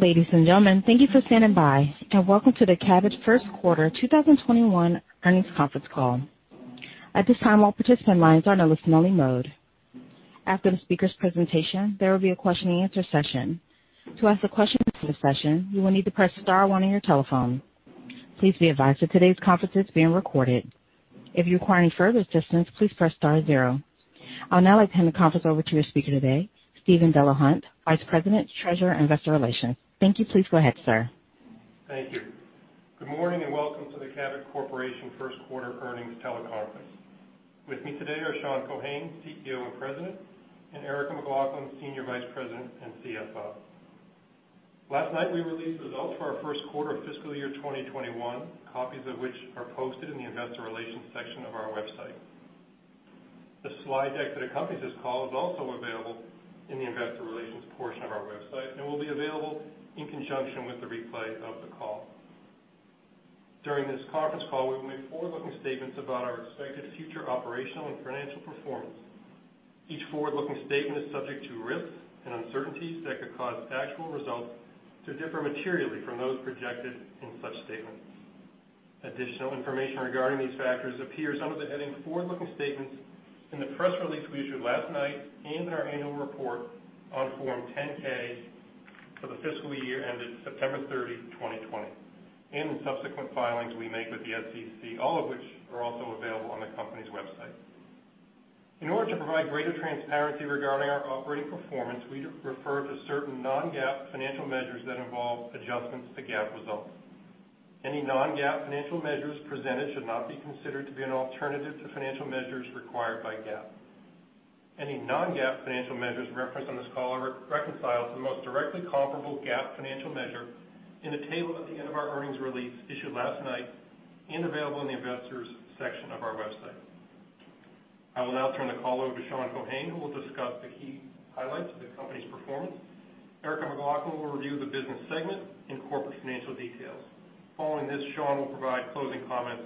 Ladies and gentlemen, thank you for standing by and welcome to the Cabot Q1 2021 Earnings Conference Call. At this time, all participant lines are in a listen-only mode. After the speaker's presentation, there will be a question and answer session. To ask a question in this session, you need to press star one on your telephone. Please be advised that today's conference is being recorded. If you require any further assistance, please press star zero. I would now like to hand the conference over to your speaker today, Steven Delahunt, Vice President, Treasurer, and Investor Relations. Thank you. Please go ahead, sir. Thank you. Good morning, and welcome to the Cabot Corporation Q1 Earnings Teleconference. With me today are Sean Keohane, CEO and President, and Erica McLaughlin, Senior Vice President and CFO. Last night, we released results for our Q1 of fiscal year 2021, copies of which are posted in the investor relations section of our website. The slide deck that accompanies this call is also available in the investor relations portion of our website and will be available in conjunction with the replay of the call. During this conference call, we will make forward-looking statements about our expected future operational and financial performance. Each forward-looking statement is subject to risks and uncertainties that could cause actual results to differ materially from those projected in such statements. Additional information regarding these factors appears under the heading Forward-Looking Statements in the press release we issued last night and in our annual report on Form 10-K for the fiscal year ended September 30, 2020, and in subsequent filings we make with the SEC, all of which are also available on the company's website. In order to provide greater transparency regarding our operating performance, we refer to certain non-GAAP financial measures that involve adjustments to GAAP results. Any non-GAAP financial measures presented should not be considered to be an alternative to financial measures required by GAAP. Any non-GAAP financial measures referenced on this call are reconciled to the most directly comparable GAAP financial measure in the table at the end of our earnings release issued last night and available in the Investors section of our website. I will now turn the call over to Sean Keohane, who will discuss the key highlights of the company's performance. Erica McLaughlin will review the business segment and corporate financial details. Following this, Sean will provide closing comments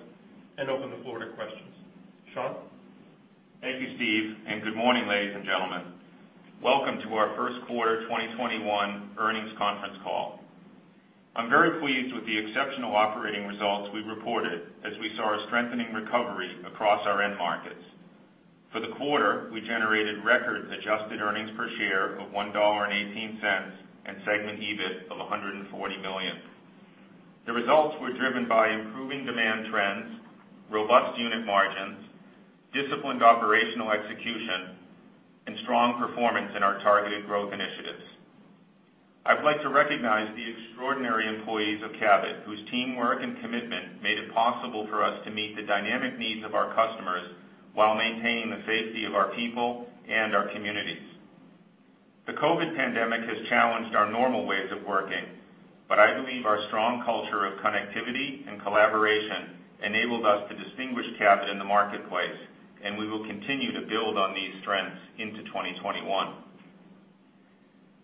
and open the floor to questions. Sean? Thank you, Steven, and good morning, ladies and gentlemen. Welcome to our Q1 2021 earnings conference call. I'm very pleased with the exceptional operating results we've reported as we saw a strengthening recovery across our end markets. For the quarter, we generated record adjusted earnings per share of $1.18 and segment EBIT of $140 million. The results were driven by improving demand trends, robust unit margins, disciplined operational execution, and strong performance in our targeted growth initiatives. I'd like to recognize the extraordinary employees of Cabot, whose teamwork and commitment made it possible for us to meet the dynamic needs of our customers while maintaining the safety of our people and our communities. The COVID pandemic has challenged our normal ways of working, but I believe our strong culture of connectivity and collaboration enabled us to distinguish Cabot in the marketplace, and we will continue to build on these strengths into 2021.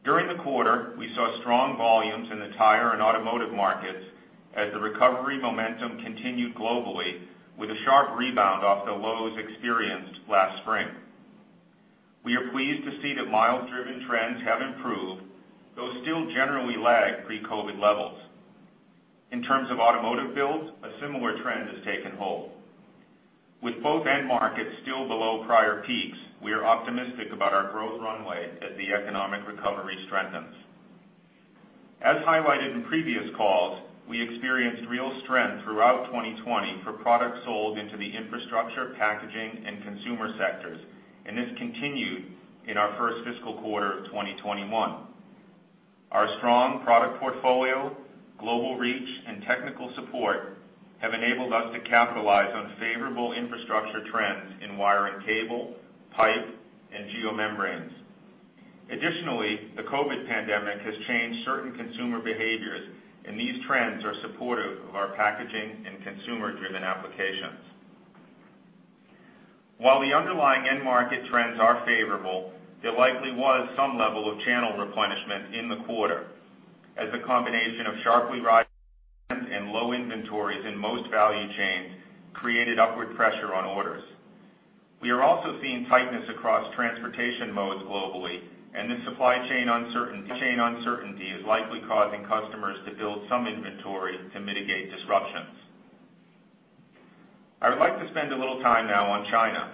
During the quarter, we saw strong volumes in the tire and automotive markets as the recovery momentum continued globally with a sharp rebound off the lows experienced last spring. We are pleased to see that miles-driven trends have improved, though still generally lag pre-COVID levels. In terms of automotive builds, a similar trend has taken hold. With both end markets still below prior peaks, we are optimistic about our growth runway as the economic recovery strengthens. As highlighted in previous calls, we experienced real strength throughout 2020 for products sold into the infrastructure, packaging, and consumer sectors, and this continued in our first fiscal quarter of 2021. Our strong product portfolio, global reach, and technical support have enabled us to capitalize on favorable infrastructure trends in wire and cable, pipe, and geomembranes. Additionally, the COVID pandemic has changed certain consumer behaviors, and these trends are supportive of our packaging and consumer-driven applications. While the underlying end markets trends are favorable, there likely was some level of channel replenishment in the quarter as a combination of sharply rising and low inventories in most value chains created upward pressure on orders. We are also seeing tightness across transportation modes globally, and this supply chain uncertainty is likely causing customers to build some inventory to mitigate disruptions. I would like to spend a little time now on China.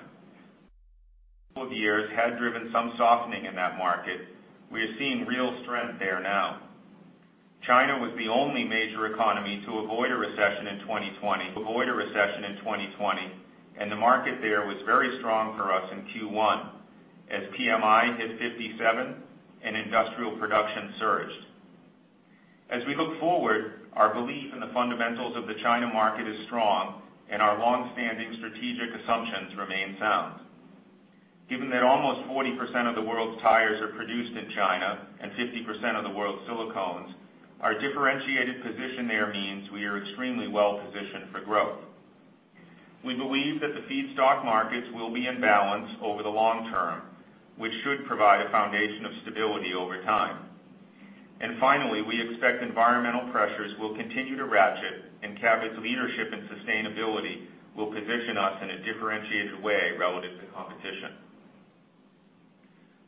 A couple of years had driven some softening in that market. We are seeing real strength there now. China was the only major economy to avoid a recession in 2020, and the market there was very strong for us in Q1 as PMI hit 57 and industrial production surged. As we look forward, our belief in the fundamentals of the China market is strong, and our longstanding strategic assumptions remain sound. Given that almost 40% of the world's tires are produced in China and 50% of the world's silicones, our differentiated position there means we are extremely well-positioned for growth. We believe that the feedstock markets will be in balance over the long term, which should provide a foundation of stability over time. Finally, we expect environmental pressures will continue to ratchet, and Cabot's leadership and sustainability will position us in a differentiated way relative to competition.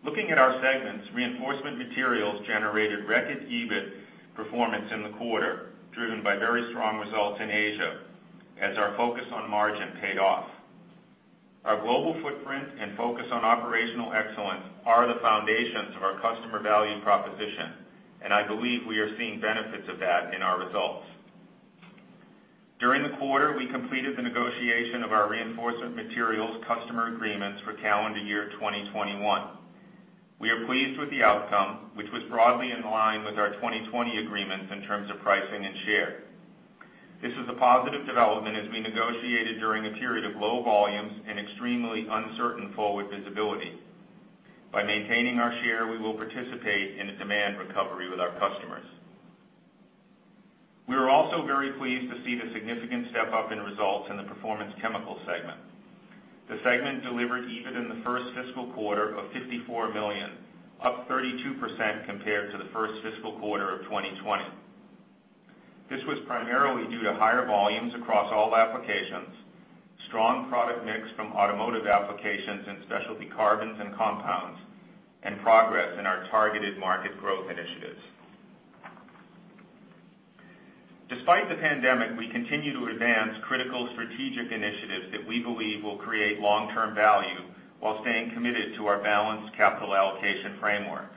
Looking at our segments, Reinforcement Materials generated record EBIT performance in the quarter, driven by very strong results in Asia as our focus on margin paid off. Our global footprint and focus on operational excellence are the foundations of our customer value proposition, and I believe we are seeing benefits of that in our results. During the quarter, we completed the negotiation of our Reinforcement Materials customer agreements for calendar year 2021. We are pleased with the outcome, which was broadly in line with our 2020 agreements in terms of pricing and share. This is a positive development as we negotiated during a period of low volumes and extremely uncertain forward visibility. By maintaining our share, we will participate in a demand recovery with our customers. We are also very pleased to see the significant step up in results in the Performance Chemicals segment. The segment delivered EBIT in the first fiscal quarter of $54 million, up 32% compared to the first fiscal quarter of 2020. This was primarily due to higher volumes across all applications, strong product mix from automotive applications in specialty carbons and compounds, and progress in our targeted market growth initiatives. Despite the pandemic, we continue to advance critical strategic initiatives that we believe will create long-term value while staying committed to our balanced capital allocation framework.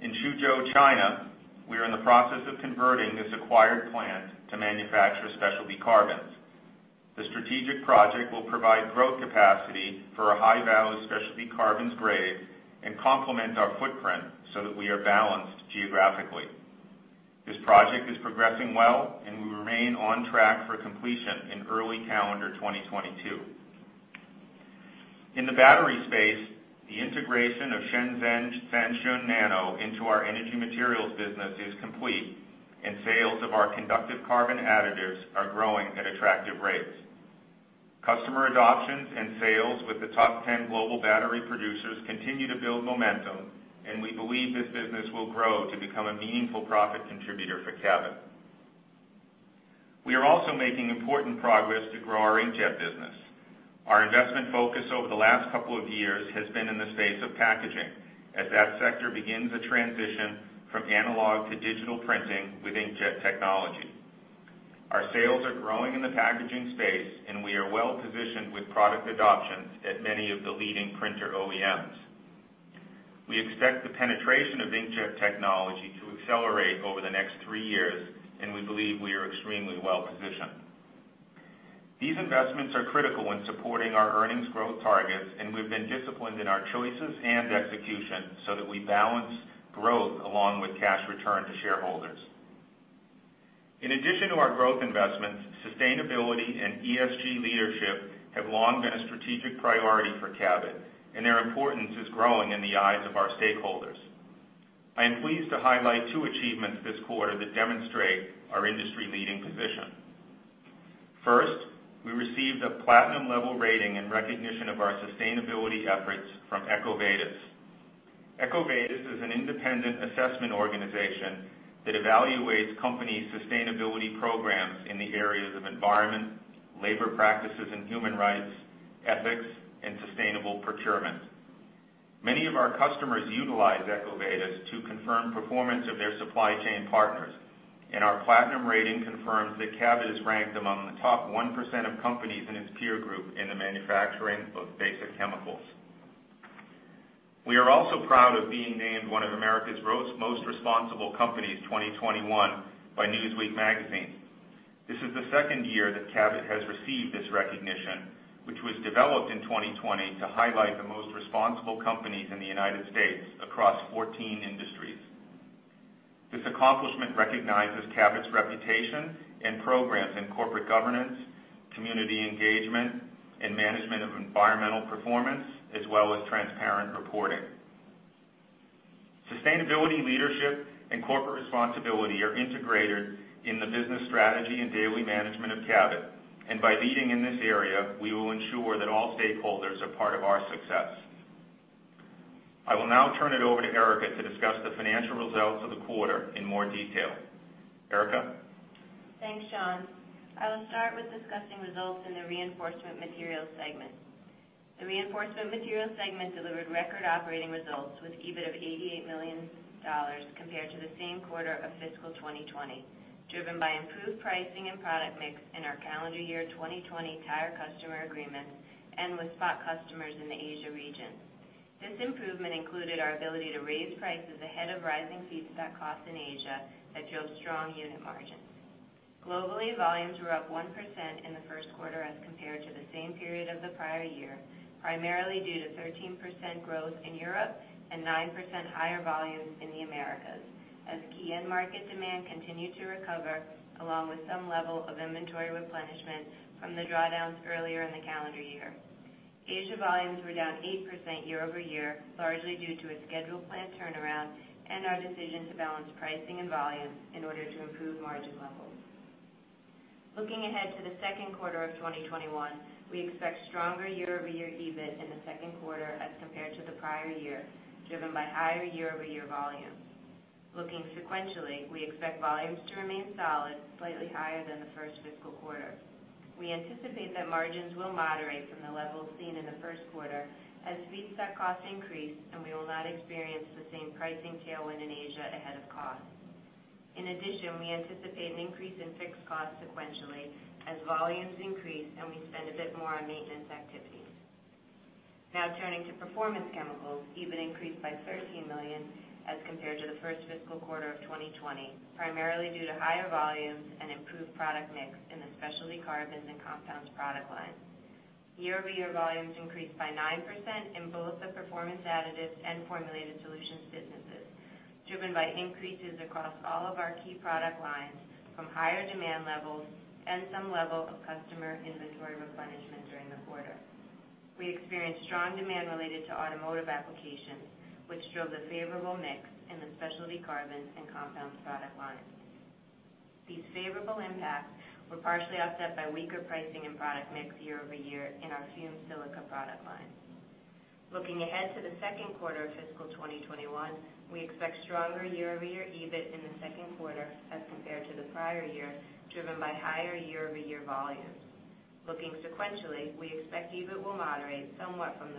In Suzhou, China, we are in the process of converting this acquired plant to manufacture specialty carbons. The strategic project will provide growth capacity for a high-value specialty carbons grade and complement our footprint so that we are balanced geographically. This project is progressing well, and we remain on track for completion in early calendar 2022. In the battery space, the integration of Shenzhen Sanshun Nano into our Energy Materials business is complete, and sales of our conductive carbon additives are growing at attractive rates. Customer adoptions and sales with the top 10 global battery producers continue to build momentum, and we believe this business will grow to become a meaningful profit contributor for Cabot. We are also making important progress to grow our inkjet business. Our investment focus over the last couple of years has been in the space of packaging, as that sector begins a transition from analog to digital printing with inkjet technology. Our sales are growing in the packaging space, and we are well-positioned with product adoptions at many of the leading printer OEMs. We expect the penetration of inkjet technology to accelerate over the next three years, and we believe we are extremely well-positioned. These investments are critical in supporting our earnings growth targets, and we've been disciplined in our choices and execution so that we balance growth along with cash return to shareholders. In addition to our growth investments, sustainability and ESG leadership have long been a strategic priority for Cabot, and their importance is growing in the eyes of our stakeholders. I am pleased to highlight two achievements this quarter that demonstrate our industry-leading position. First, we received a platinum level rating in recognition of our sustainability efforts from EcoVadis. EcoVadis is an independent assessment organization that evaluates companies' sustainability programs in the areas of environment, labor practices and human rights, ethics, and sustainable procurement. Many of our customers utilize EcoVadis to confirm performance of their supply chain partners, and our platinum rating confirms that Cabot is ranked among the top 1% of companies in its peer group in the manufacturing of basic chemicals. We are also proud of being named one of America's Most Responsible Companies 2021 by "Newsweek" magazine. This is the second year that Cabot has received this recognition, which was developed in 2020 to highlight the most responsible companies in the U.S. across 14 industries. This accomplishment recognizes Cabot's reputation and programs in corporate governance, community engagement, and management of environmental performance, as well as transparent reporting. Sustainability leadership and corporate responsibility are integrated in the business strategy and daily management of Cabot, and by leading in this area, we will ensure that all stakeholders are part of our success. I will now turn it over to Erica to discuss the financial results of the quarter in more detail. Erica? Thanks, Sean. I will start with discussing results in the Reinforcement Materials segment. The Reinforcement Materials segment delivered record operating results with EBIT of $88 million compared to the same quarter of fiscal 2020, driven by improved pricing and product mix in our calendar year 2020 tire customer agreements, and with spot customers in the Asia region. This improvement included our ability to raise prices ahead of rising feedstock costs in Asia that drove strong unit margins. Globally, volumes were up 1% in the Q1 as compared to the same period of the prior year, primarily due to 13% growth in Europe and 9% higher volumes in the Americas as key end market demand continued to recover, along with some level of inventory replenishment from the drawdowns earlier in the calendar year. Asia volumes were down 8% year-over-year, largely due to a scheduled plant turnaround and our decision to balance pricing and volume in order to improve margin levels. Looking ahead to the Q2 of 2021, we expect stronger year-over-year EBIT in the Q2 as compared to the prior year, driven by higher year-over-year volumes. Looking sequentially, we expect volumes to remain solid, slightly higher than the first fiscal quarter. We anticipate that margins will moderate from the levels seen in the Q1 as feedstock costs increase, and we will not experience the same pricing tailwind in Asia ahead of cost. In addition, we anticipate an increase in fixed costs sequentially as volumes increase, and we spend a bit more on maintenance activities. Now turning to Performance Chemicals, EBIT increased by $13 million as compared to the first fiscal quarter of 2020, primarily due to higher volumes and improved product mix in the specialty carbons and compounds product line. Year-over-year volumes increased by 9% in both the Performance Additives and Formulated Solutions businesses, driven by increases across all of our key product lines from higher demand levels and some level of customer inventory replenishment during the quarter. We experienced strong demand related to automotive applications, which drove the favorable mix in the specialty carbons and compounds product lines. These favorable impacts were partially offset by weaker pricing and product mix year-over-year in our fumed silica product line. Looking ahead to the Q2 of fiscal 2021, we expect stronger year-over-year EBIT in the Q2 as compared to the prior year, driven by higher year-over-year volumes. Looking sequentially, we expect EBIT will moderate somewhat from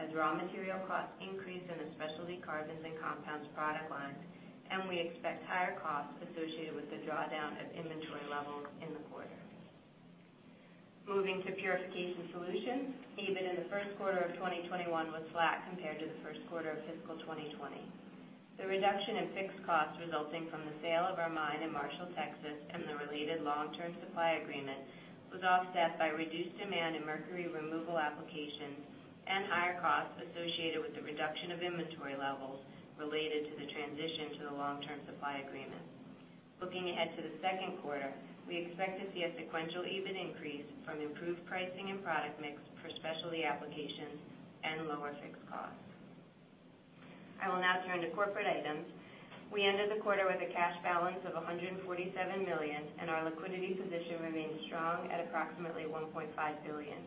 as raw material costs increase in the specialty carbons and compounds product lines, and we expect higher costs associated with the drawdown of inventory levels in the quarter. Moving to Purification Solutions, EBIT in the Q1 of 2021 was flat compared to the Q1 of fiscal 2020. The reduction in fixed costs resulting from the sale of our mine in Marshall, Texas, and the related long-term supply agreement was offset by reduced demand in mercury removal applications and higher costs associated with the reduction of inventory levels related to the transition to the long-term supply agreement. Looking ahead to the Q2, we expect to see a sequential EBIT increase from improved pricing and product mix for specialty applications and lower fixed costs. I will now turn to corporate items. We ended the quarter with a cash balance of $147 million, and our liquidity position remains strong at approximately $1.5 billion.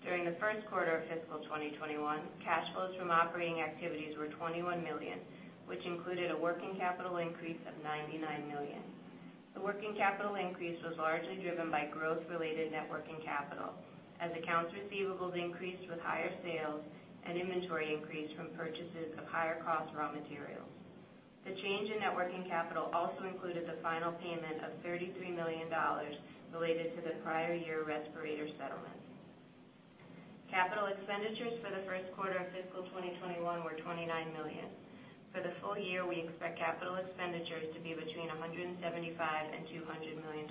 During the Q1 of fiscal 2021, cash flows from operating activities were $21 million, which included a working capital increase of $99 million. The working capital increase was largely driven by growth-related networking capital, as accounts receivables increased with higher sales and inventory increased from purchases of higher cost raw materials. The change in net working capital also included the final payment of $33 million related to the prior year respirator settlement. Capital expenditures for the Q1 of fiscal 2021 were $29 million. For the full year, we expect capital expenditures to be between $175 and $200 million.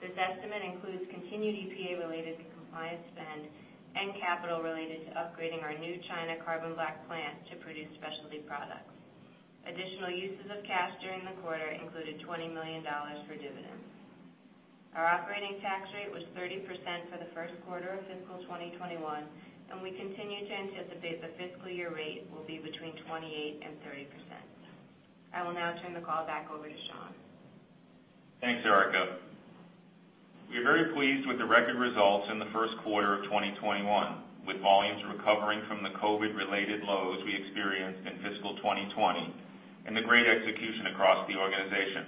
This estimate includes continued EPA-related compliance spend and capital related to upgrading our new China carbon black plant to produce specialty products. Additional uses of cash during the quarter included $20 million for dividends. Our operating tax rate was 30% for the Q1 of fiscal 2021, and we continue to anticipate the fiscal year rate will be between 28% and 30%. I will now turn the call back over to Sean. Thanks, Erica. We are very pleased with the record results in the Q1 of 2021, with volumes recovering from the COVID-related lows we experienced in fiscal 2020 and the great execution across the organization.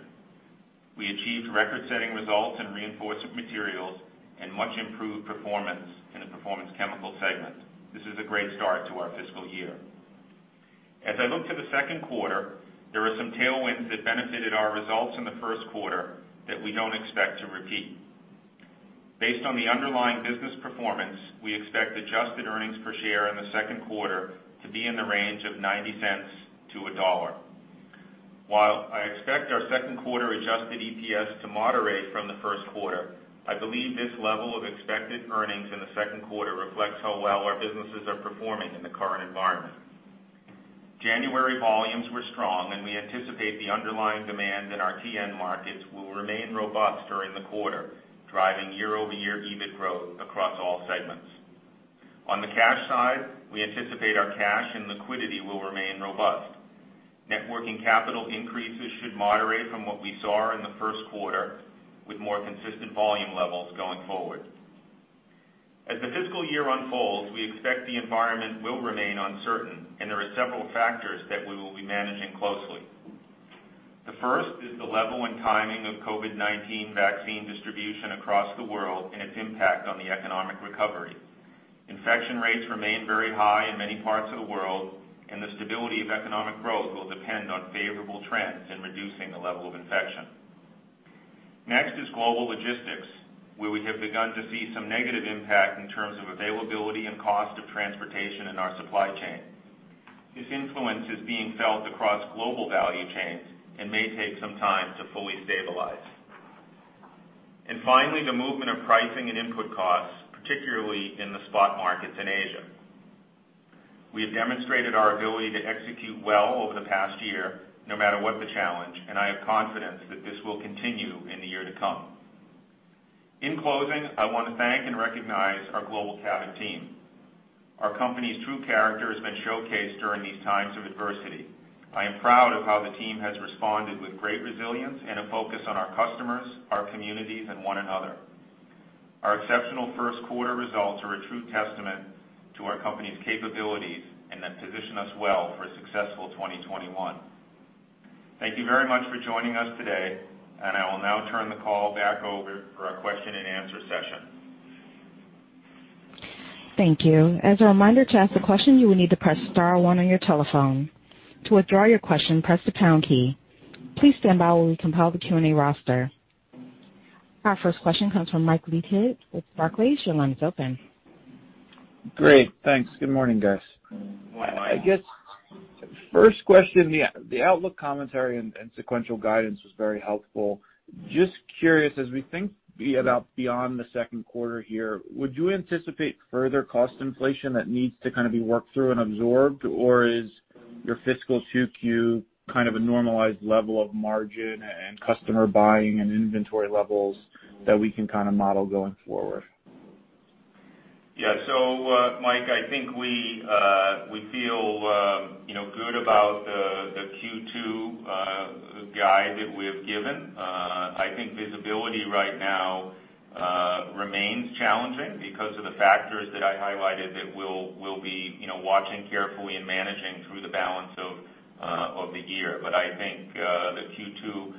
We achieved record-setting results in Reinforcement Materials and much-improved performance in the Performance Chemicals segment. This is a great start to our fiscal year. As I look to the Q2, there are some tailwinds that benefited our results in the Q1 that we don't expect to repeat. Based on the underlying business performance, we expect adjusted earnings per share in the Q2 to be in the range of $0.90-$1.00. While I expect our Q2 adjusted EPS to moderate from the Q1, I believe this level of expected earnings in the reflects how well our businesses are performing in the current Q2 environment. January volumes were strong, and we anticipate the underlying demand in our end markets will remain robust during the quarter, driving year-over-year EBIT growth across all segments. On the cash side, we anticipate our cash and liquidity will remain robust. Net working capital increases should moderate from what we saw in the Q1, with more consistent volume levels going forward. As the fiscal year unfolds, we expect the environment will remain uncertain, and there are several factors that we will be managing closely. The first is the level and timing of COVID-19 vaccine distribution across the world and its impact on the economic recovery. Infection rates remain very high in many parts of the world, and the stability of economic growth will depend on favorable trends in reducing the level of infection. Next is global logistics, where we have begun to see some negative impact in terms of availability and cost of transportation in our supply chain. This influence is being felt across global value chains and may take some time to fully stabilize. Finally, the movement of pricing and input costs, particularly in the spot markets in Asia. We have demonstrated our ability to execute well over the past year, no matter what the challenge, and I have confidence that this will continue in the year to come. In closing, I want to thank and recognize our global Cabot team. Our company's true character has been showcased during these times of adversity. I am proud of how the team has responded with great resilience and a focus on our customers, our communities, and one another. Our exceptional Q1 results are a true testament to our company's capabilities and that position us well for a successful 2021. Thank you very much for joining us today. I will now turn the call back over for our question and answer session. Our first question comes from Mike Leithead with Barclays. Your line is open. Great. Thanks. Good morning, guys. Morning. I guess, first question, the outlook commentary and sequential guidance was very helpful. Just curious, as we think about beyond the Q2 here, would you anticipate further cost inflation that needs to kind of be worked through and absorbed? Or is your fiscal 2Q kind of a normalized level of margin and customer buying and inventory levels that we can kind of model going forward? So, Mike, I think we feel good about the Q2 guide that we have given. I think visibility right now remains challenging because of the factors that I highlighted that we'll be watching carefully and managing through the balance of the year. I think the Q2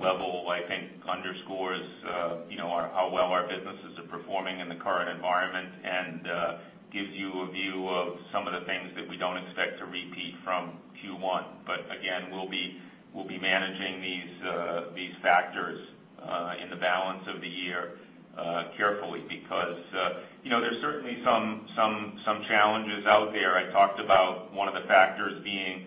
level, I think, underscores how well our businesses are performing in the current environment and gives you a view of some of the things that we don't expect to repeat from Q1. Again, we'll be managing these factors in the balance of the year carefully because there's certainly some challenges out there. I talked about one of the factors being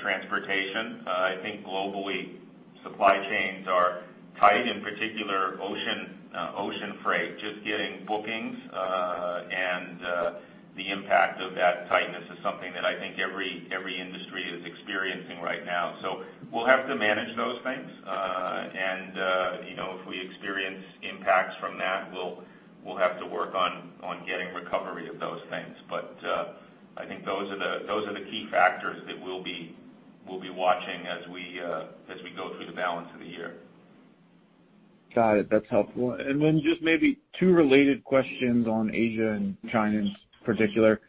transportation. I think globally, supply chains are tight, in particular ocean freight, just getting bookings, and the impact of that tightness is something that I think every industry is experiencing right now. We'll have to manage those things. If we experience impacts from that, we'll have to work on getting recovery of those things. I think those are the key factors that we'll be watching as we go through the balance of the year. Got it. That's helpful. Just maybe two related questions on Asia and China in particular.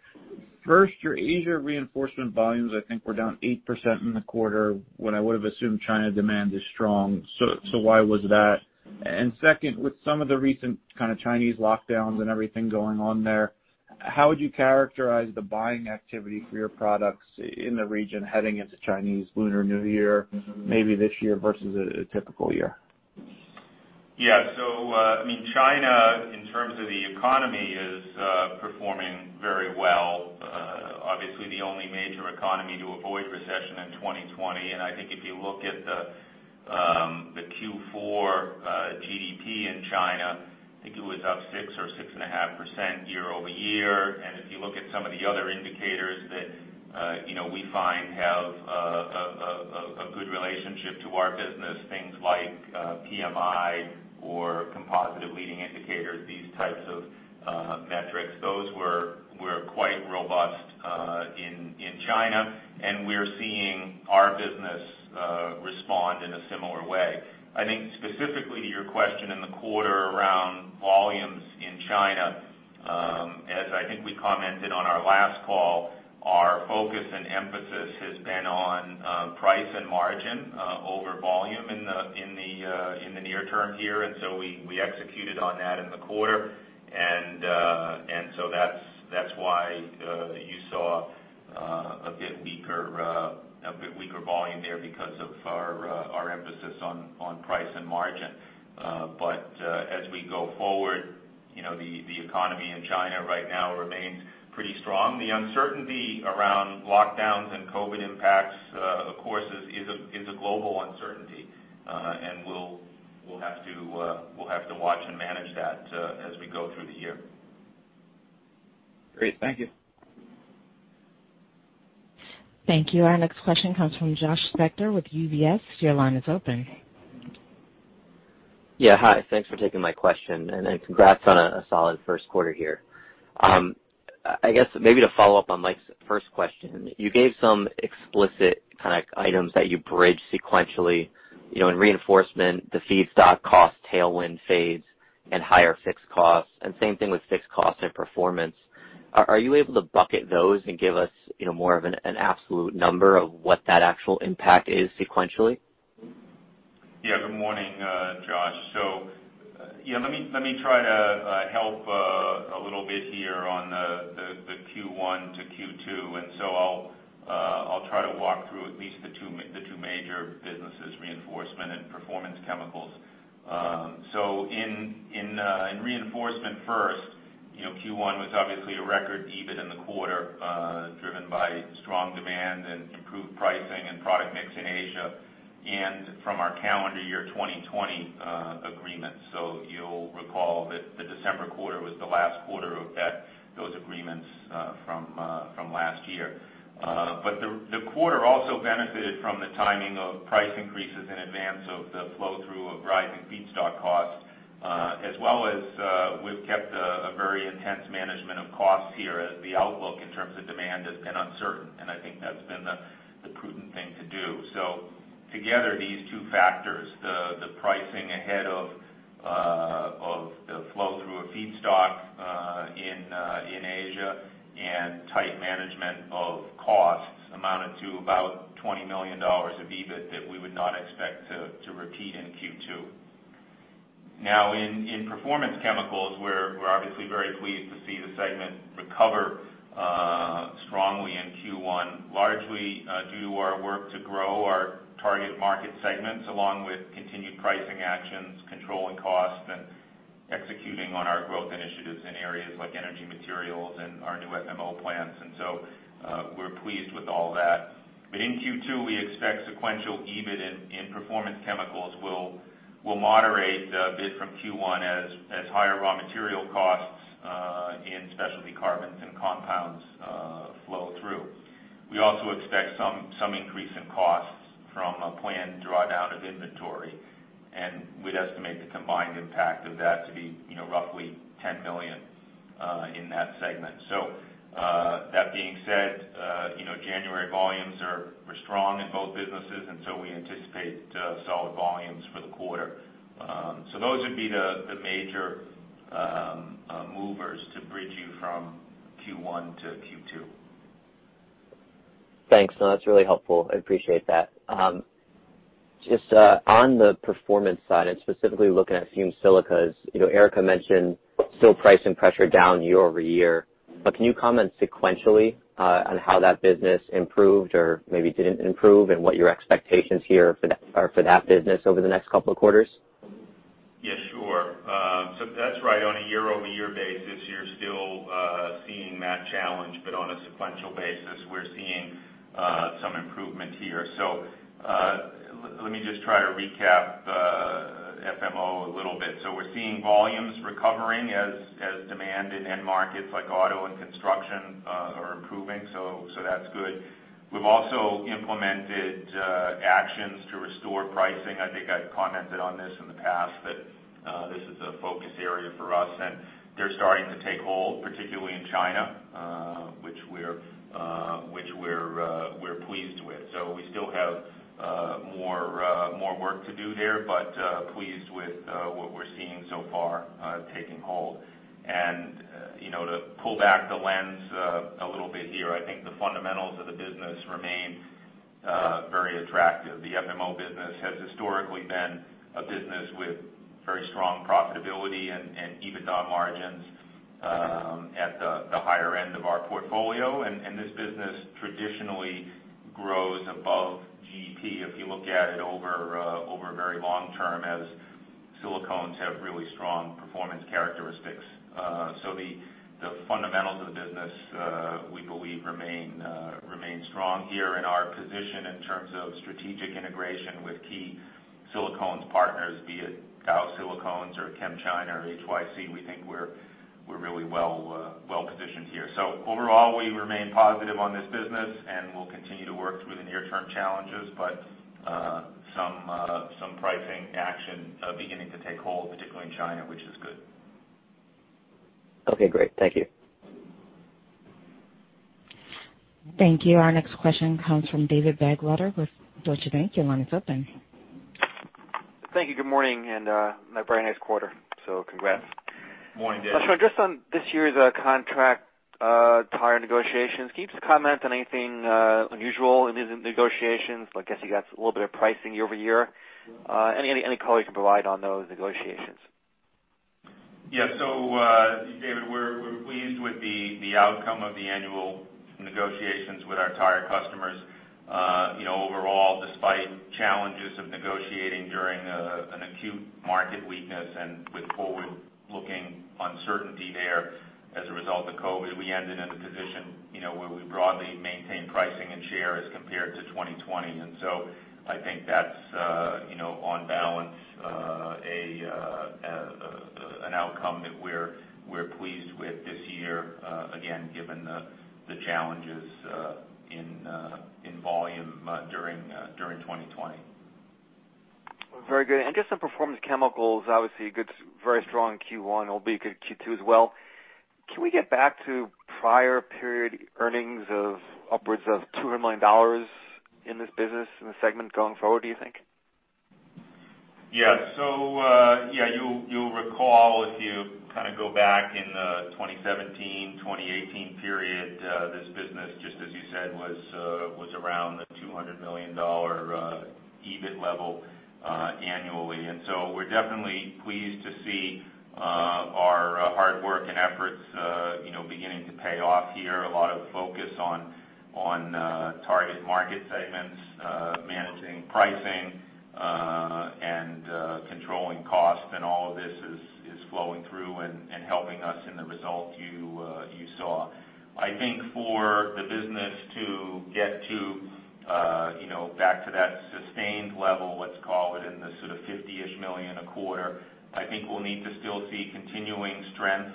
First, your Asia reinforcement volumes, I think, were down 8% in the quarter when I would've assumed China demand is strong. Why was that? Second, with some of the recent kind of Chinese lockdowns and everything going on there, how would you characterize the buying activity for your products in the region heading into Chinese Lunar New Year, maybe this year versus a typical year? Yeah. China, in terms of the economy, is performing very well. Obviously the only major economy to avoid recession in 2020, and I think if you look at the Q4 GDP in China, I think it was up six or 6.5% year-over-year. If you look at some of the other indicators that we find have a good relationship to our business, things like PMI or composite leading indicators, these types of metrics, those were quite robust in China, and we're seeing our business respond in a similar way. I think specifically to your question in the quarter around volumes in China, as I think we commented on our last call, our focus and emphasis has been on price and margin over volume in the near term here. We executed on that in the quarter. That's why you saw a bit weaker volume there because of our emphasis on price and margin. As we go forward, the economy in China right now remains pretty strong. The uncertainty around lockdowns and COVID impacts, of course, is a global uncertainty. We'll have to watch and manage that as we go through the year. Great. Thank you. Thank you. Our next question comes from Josh Spector with UBS. Your line is open. Yeah. Hi. Thanks for taking my question, and then congrats on a solid Q1 here. I guess maybe to follow up on Mike's first question, you gave some explicit kind of items that you bridged sequentially. In Reinforcement, the feedstock cost tailwind fades and higher fixed costs, and same thing with fixed costs and Performance. Are you able to bucket those and give us more of an absolute number of what that actual impact is sequentially? Yeah. Good morning, Josh. Let me try to help a little bit here on the Q1 to Q2. I'll try to walk through at least the two major businesses, Reinforcement and Performance Chemicals. In Reinforcement first, Q1 was obviously a record EBIT in the quarter, driven by strong demand and improved pricing and product mix in Asia and from our calendar year 2020 agreements. You'll recall that the December quarter was the last quarter of those agreements from last year. The quarter also benefited from the timing of price increases in advance of the flow-through of rising feedstock costs, as well as, we've kept a very intense management of costs here as the outlook in terms of demand has been uncertain. Together, these two factors, the pricing ahead of the flow through of feedstock in Asia and tight management of costs amounted to about $20 million of EBIT that we would not expect to repeat in Q2. In Performance Chemicals, we're obviously very pleased to see the segment recover strongly in Q1, largely due to our work to grow our target market segments, along with continued pricing actions, controlling costs, and executing on our growth initiatives in areas like Energy Materials and our new FMO plants. We're pleased with all that. In Q2, we expect sequential EBIT in Performance Chemicals will moderate a bit from Q1 as higher raw material costs in specialty carbons and compounds flow through. We also expect some increase in costs from a planned drawdown of inventory, and we'd estimate the combined impact of that to be roughly $10 million in that segment. That being said, January volumes were strong in both businesses, and so we anticipate solid volumes for the quarter. Those would be the major movers to bridge you from Q1 to Q2. Thanks. No, that's really helpful. I appreciate that. Just on the performance side, specifically looking at fumed silica, Erica mentioned still pricing pressure down year-over-year. Can you comment sequentially on how that business improved or maybe didn't improve, and what your expectations here are for that business over the next couple of quarters? Yeah, sure. That's right. On a year-over-year basis, you're still seeing that challenge. On a sequential basis, we're seeing some improvement here. Let me just try to recap FMO a little bit. We're seeing volumes recovering as demand in end markets like auto and construction are improving. That's good. We've also implemented actions to restore pricing. I think I've commented on this in the past that this is a focus area for us, and they're starting to take hold, particularly in China, which we're pleased with. We still have more work to do there, but pleased with what we're seeing so far taking hold. To pull back the lens a little bit here, I think the fundamentals of the business remain very attractive. The FMO business has historically been a business with very strong profitability and EBITDA margins at the higher end of our portfolio. This business traditionally grows above GDP if you look at it over a very long term, as silicones have really strong performance characteristics. The fundamentals of the business, we believe remain strong here in our position in terms of strategic integration with key silicones partners, be it Dow Silicones or ChemChina or HYC. We think we're really well positioned here. Overall, we remain positive on this business, and we'll continue to work through the near term challenges. Some pricing action beginning to take hold, particularly in China, which is good. Okay, great. Thank you. Thank you. Our next question comes from David Begleiter with Deutsche Bank. Your line is open. Thank you. Good morning, and a very nice quarter. Congrats. Morning, David. Just on this year's contract tire negotiations, can you just comment on anything unusual in these negotiations? I guess you got a little bit of pricing year-over-year. Any color you can provide on those negotiations? David, we're pleased with the outcome of the annual negotiations with our tire customers. Overall, despite challenges of negotiating during an acute market weakness and with forward-looking uncertainty there as a result of COVID, we ended in a position where we broadly maintained pricing and share as compared to 2020. I think that's, on balance, an outcome that we're pleased with this year again, given the challenges in volume during 2020. Very good. Just on Performance Chemicals, obviously a very strong Q1, it'll be a good Q2 as well. Can we get back to prior period earnings of upwards of $200 million in this business, in the segment going forward, do you think? Yeah. You'll recall if you go back in the 2017, 2018 period, this business, just as you said, was around the $200 million EBIT level annually. We're definitely pleased to see our hard work and efforts beginning to pay off here. A lot of focus on target market segments, managing pricing, and controlling cost. All of this is flowing through and helping us in the result you saw. I think for the business to get back to that sustained level, let's call it in the sort of $50-ish million a quarter, I think we'll need to still see continuing strength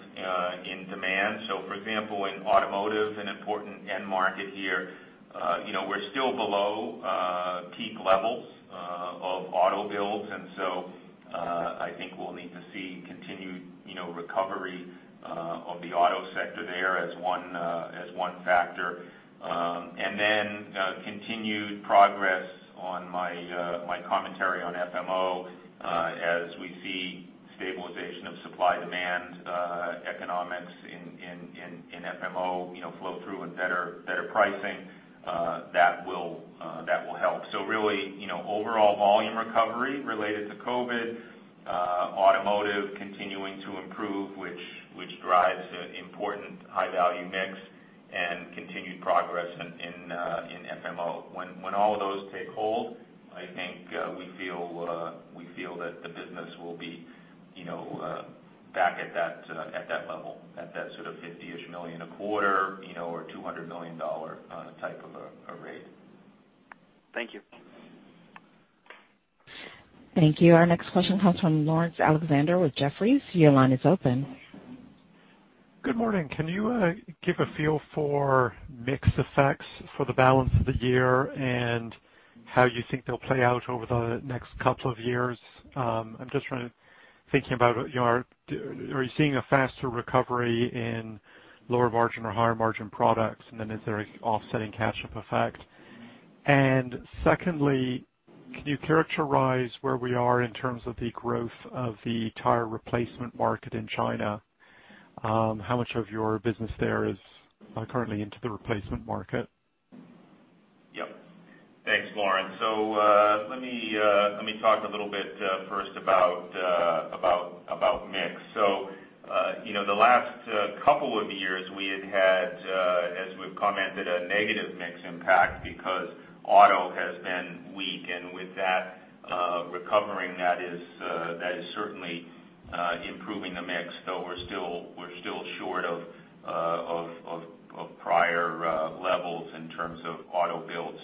in demand. For example, in automotive, an important end market here, we're still below peak levels of auto builds. I think we'll need to see continued recovery of the auto sector there as one factor. Continued progress on my commentary on FMO, as we see stabilization of supply-demand economics in FMO flow through and better pricing, that will help. Really, overall volume recovery related to COVID, automotive continuing to improve, which drives an important high-value mix, and continued progress in FMO. When all of those take hold, I think we feel that the business will be back at that level, at that sort of $50-ish million a quarter or $200 million type of a rate. Thank you. Thank you. Our next question comes from Laurence Alexander with Jefferies. Your line is open. Good morning. Can you give a feel for mix effects for the balance of the year and how you think they'll play out over the next couple of years? I'm just trying to think about it. Are you seeing a faster recovery in lower margin or higher margin products, and then is there an offsetting catch-up effect? Secondly, can you characterize where we are in terms of the growth of the tire replacement market in China? How much of your business there is currently into the replacement market? Yep. Thanks, Laurence. Let me talk a little bit first about mix. The last couple of years, we had, as we've commented, a negative mix impact because auto has been weak. With that recovering, that is certainly improving the mix, though we're still short of prior levels in terms of auto build.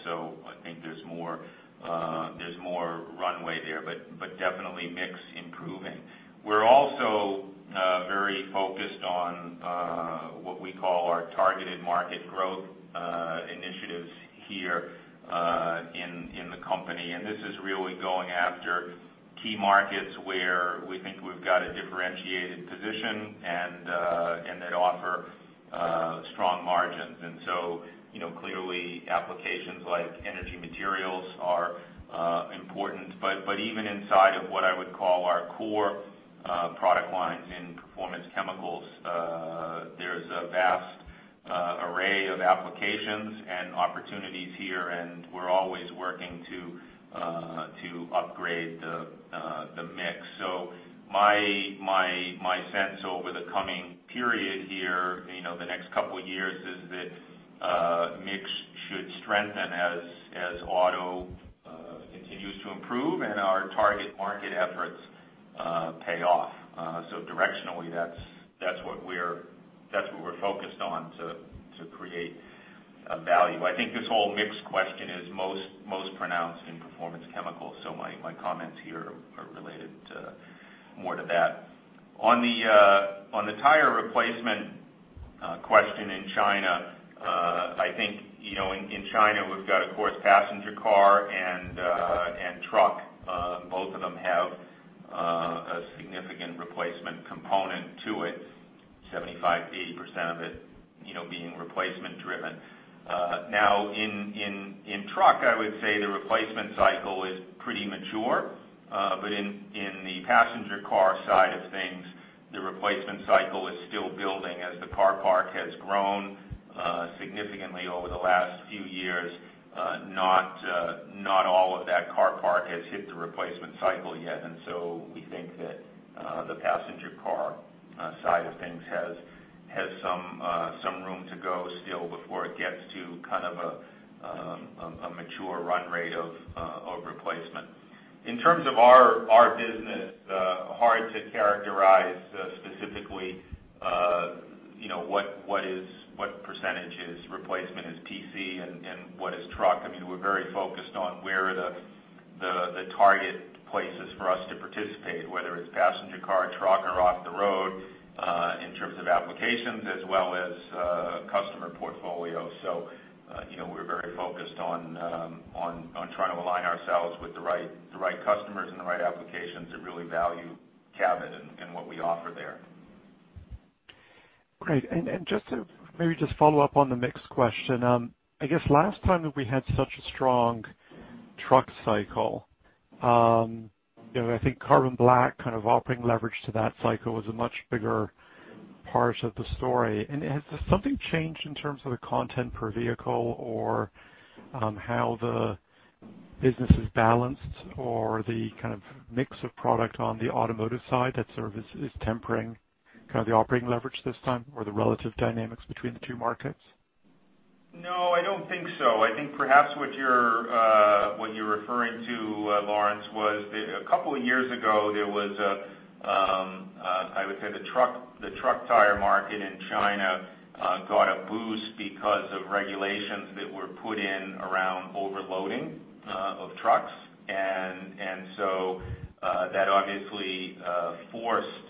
I think there's more runway there, but definitely mix improving. We're also very focused on what we call our Targeted Market Growth Initiatives here in the company. This is really going after key markets where we think we've got a differentiated position and that offer strong margins. Clearly applications like Energy Materials are important. Even inside of what I would call our core product lines in Performance Chemicals, there's a vast array of applications and opportunities here, and we're always working to upgrade the mix. My sense over the coming period here, the next two years, is that mix should strengthen as auto continues to improve and our target market efforts pay off. Directionally, that's what we're focused on to create value. I think this whole mix question is most pronounced in Performance Chemicals. My comments here are related more to that. On the tire replacement question in China, I think, in China, we've got, of course, passenger car and truck. Both of them have a significant replacement component to it, 75%-80% of it being replacement driven. In truck, I would say the replacement cycle is pretty mature. In the passenger car side of things, the replacement cycle is still building as the car park has grown significantly over the last few years. Not all of that car park has hit the replacement cycle yet. We think that the passenger car side of things has some room to go still before it gets to kind of a mature run rate of replacement. In terms of our business, hard to characterize specifically what percentage is replacement is PC and what is truck. I mean, we're very focused on where the target place is for us to participate, whether it's passenger car, truck, or off the road, in terms of applications as well as customer portfolio. We're very focused on trying to align ourselves with the right customers and the right applications that really value Cabot and what we offer there. Great. Just to maybe just follow up on the mix question. I guess last time that we had such a strong truck cycle, I think carbon black kind of operating leverage to that cycle was a much bigger part of the story. Has something changed in terms of the content per vehicle or how the business is balanced or the kind of mix of product on the automotive side that sort of is tempering kind of the operating leverage this time, or the relative dynamics between the two markets? No, I don't think so. I think perhaps what you're referring to, Laurence, was a couple of years ago, there was a, I would say, the truck tire market in China got a boost because of regulations that were put in around overloading of trucks. That obviously forced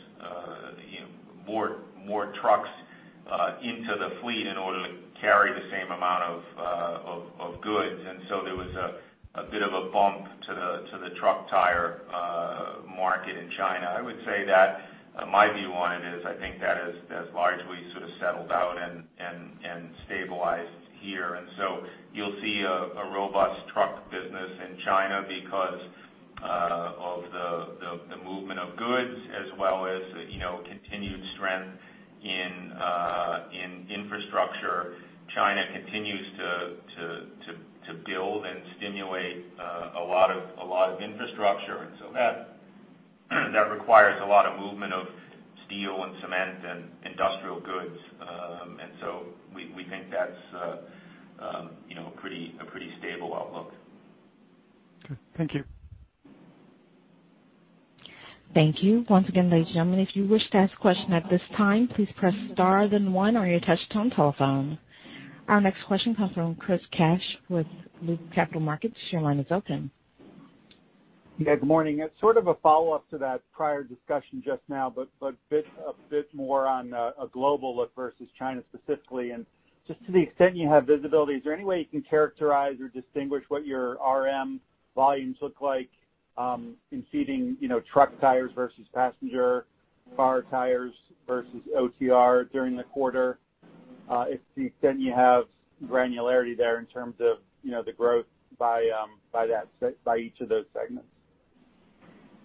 more trucks into the fleet in order to carry the same amount of goods. There was a bit of a bump to the truck tire market in China. I would say that my view on it is, I think that has largely sort of settled out and stabilized here. You'll see a robust truck business in China because of the movement of goods as well as continued strength in infrastructure. China continues to build and stimulate a lot of infrastructure, and that requires a lot of movement of steel and cement and industrial goods. We think that's a pretty stable outlook. Okay. Thank you. Our next question comes from Chris Kapsch with Loop Capital Markets. Your line is open. Yeah, good morning. It's sort of a follow-up to that prior discussion just now, but a bit more on a global look versus China specifically. Just to the extent you have visibility, is there any way you can characterize or distinguish what your RM volumes look like in leading truck tires versus passenger car tires versus OTR during the quarter? To the extent you have granularity there in terms of the growth by each of those segments.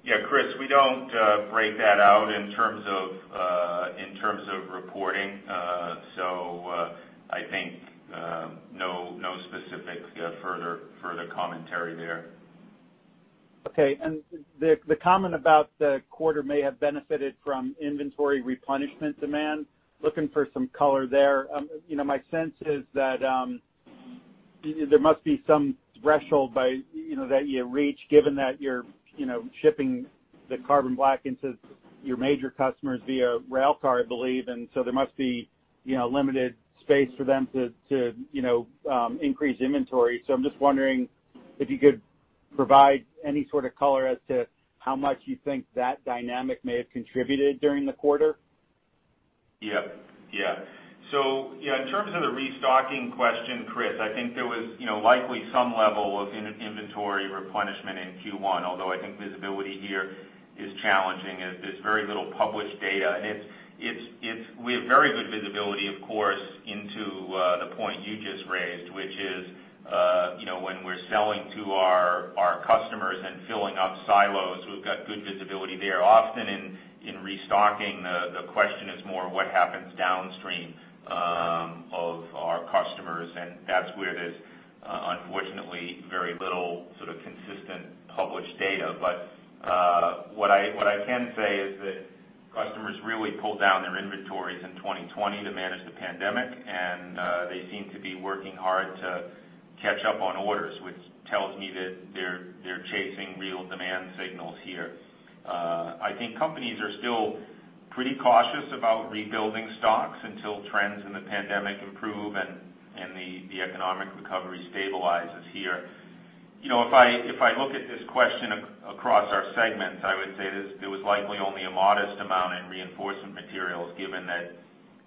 Yeah, Chris, we don't break that out in terms of reporting. I think no specific further commentary there. Okay. The comment about the quarter may have benefited from inventory replenishment demand, looking for some color there. My sense is that there must be some threshold that you reach, given that you're shipping the carbon black into your major customers via railcar, I believe. There must be limited space for them to increase inventory. I'm just wondering if you could provide any sort of color as to how much you think that dynamic may have contributed during the quarter. In terms of the restocking question, Chris, I think there was likely some level of inventory replenishment in Q1, although I think visibility here is challenging. There's very little published data. We have very good visibility, of course, into the point you just raised, which is when we're selling to our customers and filling up silos, we've got good visibility there. Often in restocking, the question is more what happens downstream of our customers, and that's where there's unfortunately very little sort of consistent published data. What I can say is that customers really pulled down their inventories in 2020 to manage the pandemic, and they seem to be working hard to catch up on orders, which tells me that they're chasing real demand signals here. I think companies are still pretty cautious about rebuilding stocks until trends in the pandemic improve and the economic recovery stabilizes here. If I look at this question across our segments, I would say there was likely only a modest amount in Reinforcement Materials, given that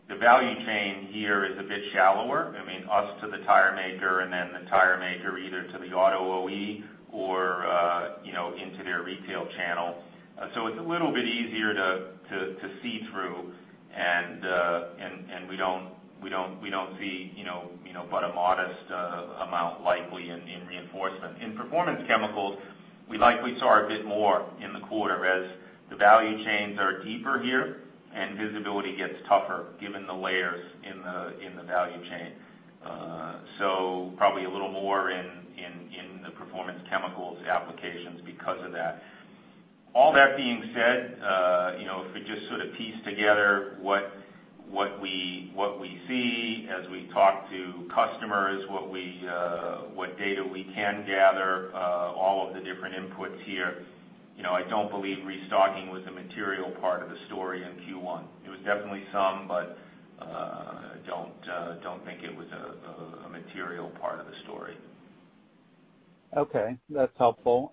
the value chain here is a bit shallower. I mean, us to the tire maker and then the tire maker either to the auto OEM or into their retail channel. It's a little bit easier to see through, and we don't see but a modest amount likely in Reinforcement. In Performance Chemicals, we likely saw a bit more in the quarter as the value chains are deeper here and visibility gets tougher given the layers in the value chain. Probably a little more in the Performance Chemicals applications because of that. All that being said, if we just sort of piece together what we see as we talk to customers, what data we can gather, all of the different inputs here, I don't believe restocking was a material part of the story in Q1. It was definitely some, but I don't think it was a material part of the story. Okay. That's helpful.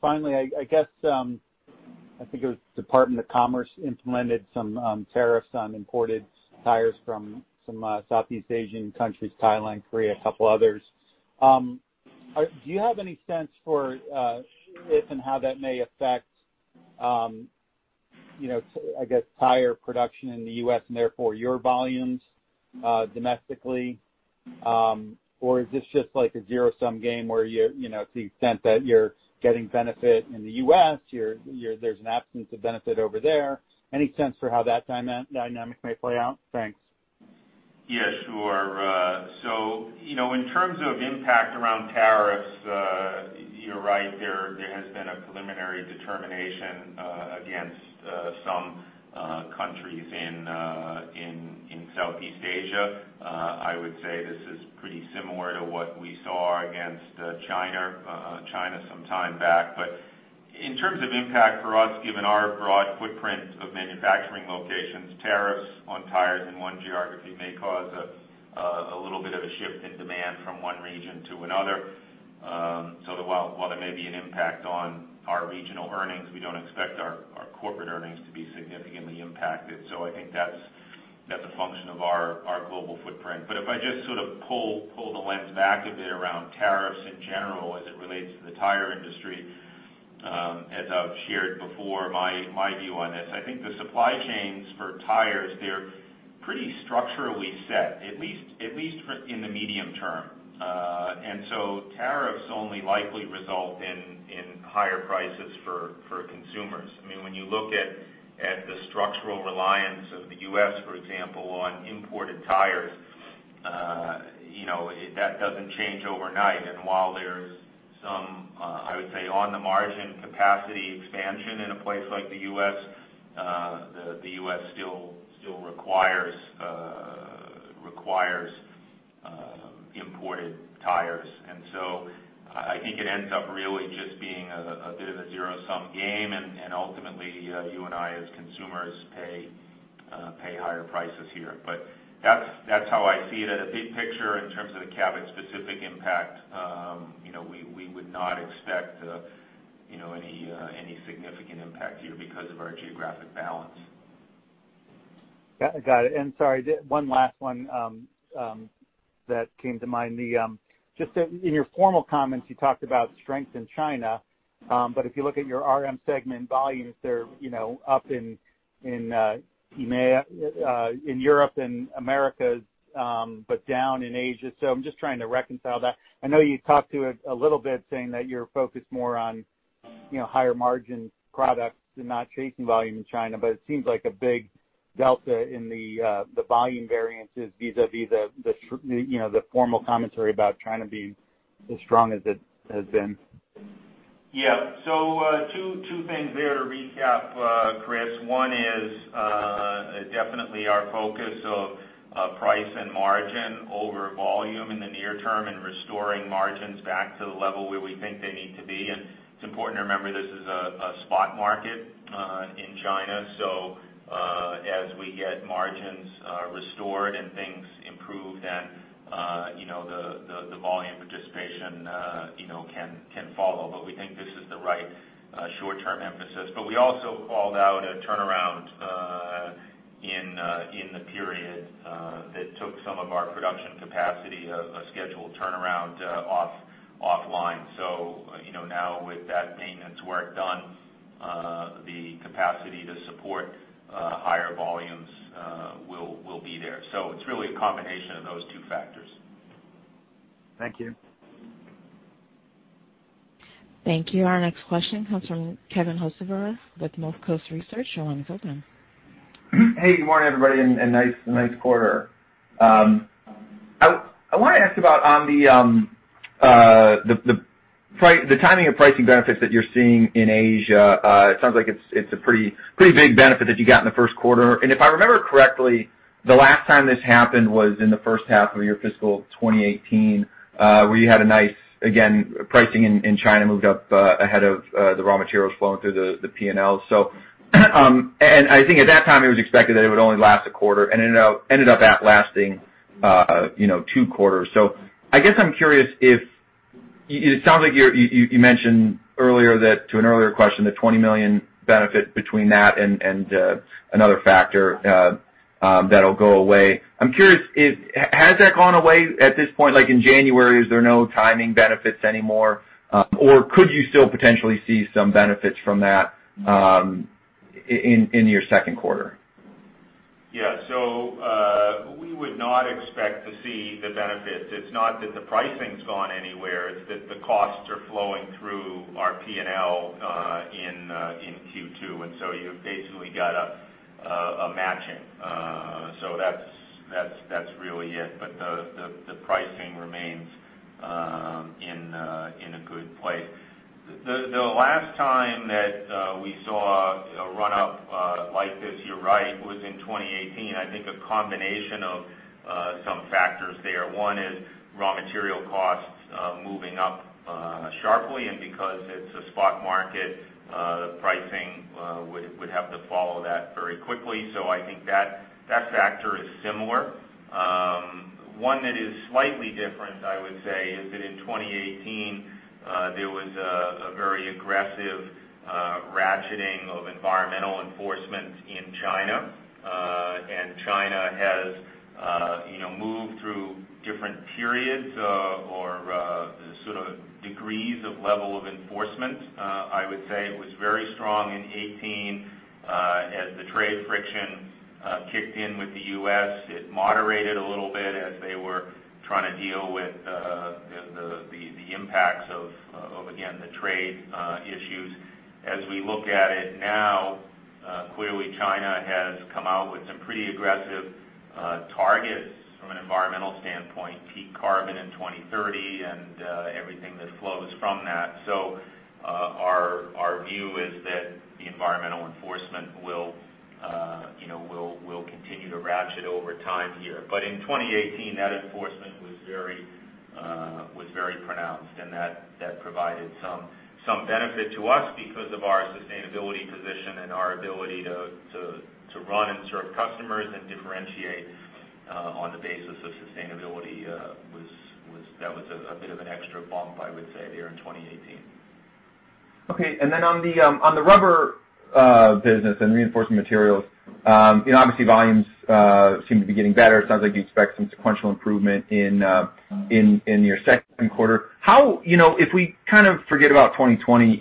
Finally, I think it was Department of Commerce implemented some tariffs on imported tires from some Southeast Asian countries, Thailand, Korea, a couple others. Do you have any sense for if and how that may affect, I guess, tire production in the U.S. and therefore your volumes domestically? Is this just like a zero-sum game where to the extent that you're getting benefit in the U.S., there's an absence of benefit over there? Any sense for how that dynamic may play out? Thanks. Yeah, sure. In terms of impact around tariffs, you're right. There has been a preliminary determination against some countries in Southeast Asia. I would say this is pretty similar to what we saw against China some time back. In terms of impact for us, given our broad footprint of manufacturing locations, tariffs on tires in one geography may cause a little bit of a shift in demand from one region to another. While there may be an impact on our regional earnings, we don't expect our corporate earnings to be significantly impacted. I think that's a function of our global footprint. If I just sort of pull the lens back a bit around tariffs in general as it relates to the tire industry, as I've shared before, my view on this. I think the supply chains for tires, they're pretty structurally set, at least in the medium term. Tariffs only likely result in higher prices for consumers. When you look at the structural reliance of the U.S., for example, on imported tires, that doesn't change overnight. While there's some, I would say, on the margin capacity expansion in a place like the U.S., the U.S. still requires imported tires. I think it ends up really just being a bit of a zero-sum game, and ultimately, you and I, as consumers, pay higher prices here. That's how I see it at a big picture in terms of the Cabot specific impact. We would not expect any significant impact here because of our geographic balance. Got it. Sorry, one last one that came to mind. Just in your formal comments, you talked about strength in China. If you look at your RM segment volumes, they're up in Europe and Americas, but down in Asia. I'm just trying to reconcile that. I know you talked to it a little bit, saying that you're focused more on higher margin products and not chasing volume in China, but it seems like a big delta in the volume variances vis-a-vis the formal commentary about China being as strong as it has been. Yeah. Two things there to recap, Chris. One is definitely our focus of price and margin over volume in the near term and restoring margins back to the level where we think they need to be. It's important to remember this is a spot market in China. As we get margins restored and things improve, then the volume participation can follow. We think this is the right short-term emphasis. We also called out a turnaround in the period that took some of our production capacity of a scheduled turnaround offline. Now with that maintenance work done, the capacity to support higher volumes will be there. It's really a combination of those two factors. Thank you. Thank you. Our next question comes from Kevin Hocevar with Northcoast Research. Your line is open. Hey, good morning, everybody, and nice quarter. I want to ask about the timing of pricing benefits that you're seeing in Asia. It sounds like it's a pretty big benefit that you got in the Q1. If I remember correctly, the last time this happened was in the H1 of your fiscal 2018, where you had a nice, again, pricing in China moved up ahead of the raw materials flowing through the P&L. I think at that time, it was expected that it would only last a quarter, and it ended up at lasting two quarters. I guess I'm curious. It sounds like you mentioned earlier that to an earlier question, the $20 million benefit between that and another factor that'll go away. I'm curious, has that gone away at this point? Like in January, is there no timing benefits anymore? Could you still potentially see some benefits from that in your Q2? Yeah. We would not expect to see the benefits. It's not that the pricing's gone anywhere, it's that the costs are flowing through our P&L in Q2, and so you've basically got a matching. That's really it. The pricing remains in a good place. The last time that we saw a run-up like this, you're right, was in 2018. I think a combination of some factors there. One is raw material costs moving up sharply, and because it's a spot market, the pricing would have to follow that very quickly. I think that factor is similar. One that is slightly different, I would say, is that in 2018, there was a very aggressive ratcheting of environmental enforcement in China. China has moved through different periods or sort of degrees of level of enforcement. I would say it was very strong in 2018. As the trade friction kicked in with the U.S., it moderated a little bit as they were trying to deal with the impacts of, again, the trade issues. As we look at it now, clearly China has come out with some pretty aggressive targets from an environmental standpoint, peak carbon in 2030 and everything that flows from that. Our view is that the environmental enforcement will continue to ratchet over time here. In 2018, that enforcement was very pronounced, and that provided some benefit to us because of our sustainability position and our ability to run and serve customers and differentiate on the basis of sustainability, that was a bit of an extra bump, I would say, there in 2018. Okay. On the rubber business and Reinforcement Materials, obviously volumes seem to be getting better. It sounds like you expect some sequential improvement in your Q2. If we forget about 2020,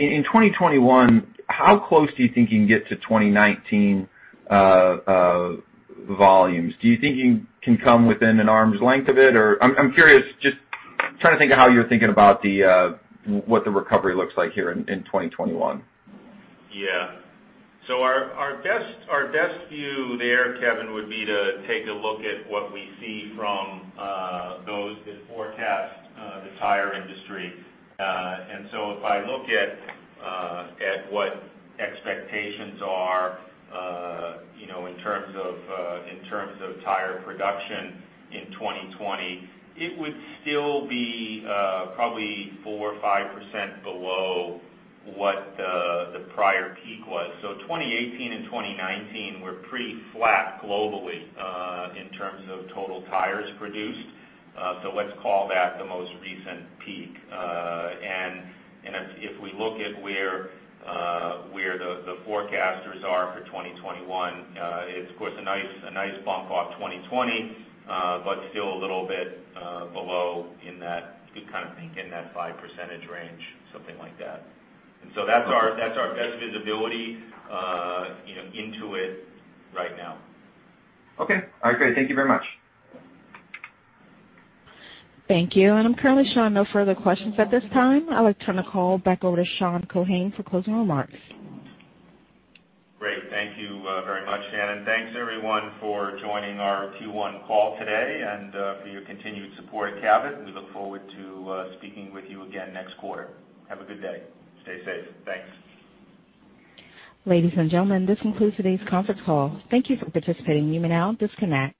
in 2021, how close do you think you can get to 2019 volumes? Do you think you can come within an arm's length of it? I'm curious, just trying to think of how you're thinking about what the recovery looks like here in 2021. Our best view there, Kevin, would be to take a look at what we see from those that forecast the tire industry. If I look at what expectations are in terms of tire production in 2020, it would still be probably 4% or 5% below what the prior peak was. 2018 and 2019 were pretty flat globally in terms of total tires produced. Let's call that the most recent peak. If we look at where the forecasters are for 2021, it's of course a nice bump off 2020, but still a little bit below in that 5% range, something like that. That's our best visibility into it right now. Okay. All right, great. Thank you very much. Thank you. I'm currently showing no further questions at this time. I would like to turn the call back over to Sean Keohane for closing remarks. Great. Thank you very much, Shannon. Thanks everyone for joining our Q1 call today and for your continued support of Cabot. We look forward to speaking with you again next quarter. Have a good day. Stay safe. Thanks. Ladies and gentlemen, this concludes today's conference call. Thank you for participating. You may now disconnect.